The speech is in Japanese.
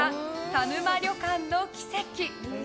「田沼旅館の奇跡」。